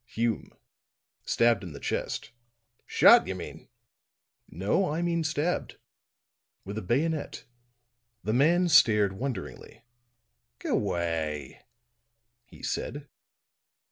"Hume. Stabbed in the chest." "Shot, you mean." "No, I mean stabbed. With a bayonet." The man stared wonderingly. "G'way," he said.